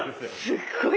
すっごい。